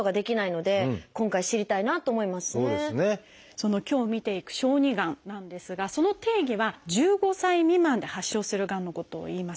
その今日見ていく「小児がん」なんですがその定義は１５歳未満で発症するがんのことをいいます。